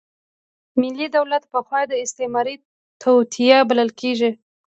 ملي دولت پخوا استعماري توطیه بلل کېده.